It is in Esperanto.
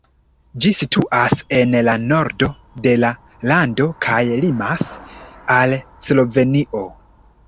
Ĝi situas en la nordo de la lando kaj limas al Slovenio.